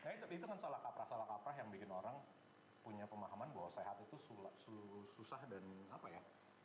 nah itu kan salah kaprah salah kaprah yang bikin orang punya pemahaman bahwa sehat itu susah dan apa ya